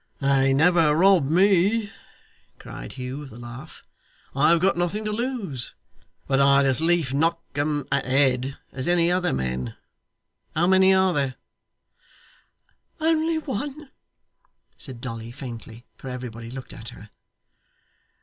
'They never rob me,' cried Hugh with a laugh. 'I have got nothing to lose. But I'd as lief knock them at head as any other men. How many are there?' 'Only one,' said Dolly faintly, for everybody looked at her.